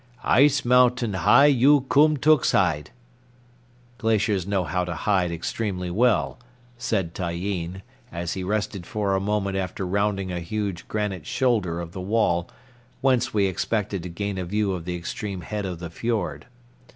"Ice mountain hi yu kumtux hide,"—glaciers know how to hide extremely well,—said Tyeen, as he rested for a moment after rounding a huge granite shoulder of the wall whence we expected to gain a view of the extreme head of the fiord.